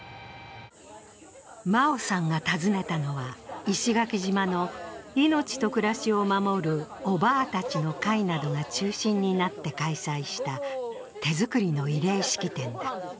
真生さんが訪ねたのは、石垣島のいのちと暮らしを守るオバーたちの会中心になって開催した手作りの慰霊式典だ。